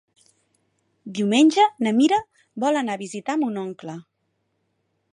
Diumenge na Mira vol anar a visitar mon oncle.